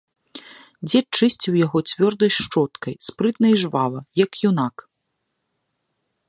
Дзед чысціў яго цвёрдай шчоткай спрытна і жвава, як юнак.